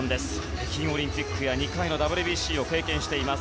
北京オリンピックや２回のＷＢＣを経験しています。